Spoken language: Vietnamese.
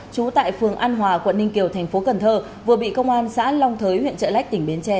chú tại phường an hòa quận ninh kiều thành phố cần thơ vừa bị công an xã long thới huyện trợ lách tỉnh bến tre xử lý